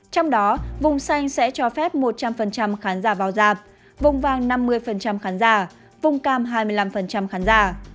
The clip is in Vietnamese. trong đó vùng xanh sẽ cho phép một trăm linh khán giả vào dạp vùng vàng năm mươi khán giả vùng cam hai mươi năm khán giả